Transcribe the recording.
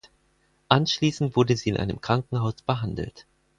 Anschließend wurde sie in einem Krankenhaus behandelt.